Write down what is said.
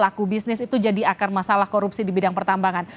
pelaku bisnis itu jadi akar masalah korupsi di bidang pertambangan